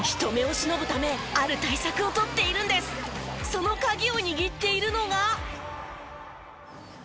その鍵を握っているのが。